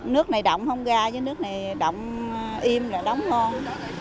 nước này động hổng gà chứ nước này động im là đóng con